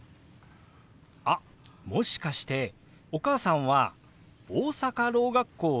あっもしかしてお母さんは大阪ろう学校卒業ですか？